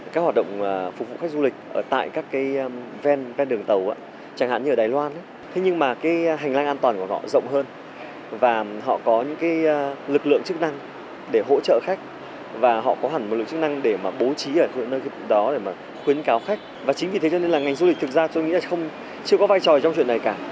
các hoạt động phục vụ khách du lịch ở tại các cái ven đường tàu chẳng hạn như ở đài loan thế nhưng mà cái hành lang an toàn của họ rộng hơn và họ có những cái lực lượng chức năng để hỗ trợ khách và họ có hẳn một lực lượng chức năng để mà bố trí ở nơi đó để mà khuyến cáo khách và chính vì thế cho nên là ngành du lịch thực ra tôi nghĩ là chưa có vai trò trong chuyện này cả